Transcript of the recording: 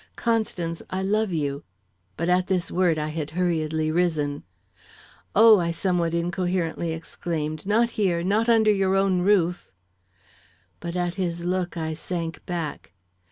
Constance, I love you " But at this word I had hurriedly risen. "Oh!" I somewhat incoherently exclaimed; "not here! not under your own roof!" But at his look I sank back.